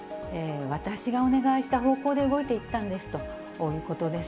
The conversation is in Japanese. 私がお願いした方向で動いていったんですということです。